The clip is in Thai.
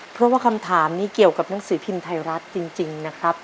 เพราะว่าคำถามนี้เกี่ยวกับหนังสือพิมพ์ไทยรัฐจริงนะครับ